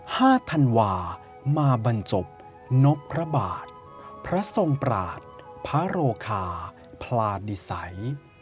ธันวามาบรรจบนพพระบาทพระทรงปราศพระโรคาพลาดิสัย